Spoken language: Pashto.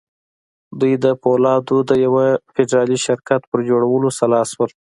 دوی د پولادو د یوه فدرالي شرکت پر جوړولو سلا شول